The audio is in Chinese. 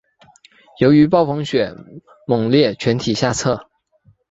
由于暴风雪猛烈全体下撤。